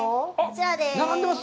並んでます。